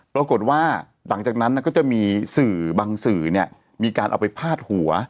ปรากฏว่าหลังจากนั้นก็จะมีสื่อบางสื่อมีการเอาไปพาดหัว